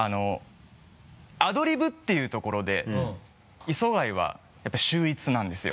アドリブっていうところで磯貝はやっぱり秀逸なんですよ